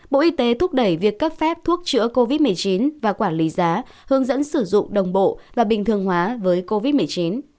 bộ y tế thúc đẩy việc cấp phép thuốc chữa covid một mươi chín và quản lý giá hướng dẫn sử dụng đồng bộ và bình thường hóa với covid một mươi chín